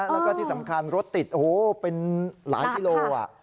แล้วก็ที่สำคัญรถติดโอ้โหเป็นหลายกิโล